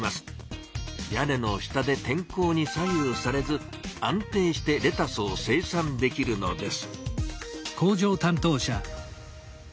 屋根の下で天候に左右されず安定してレタスを生産できるのです。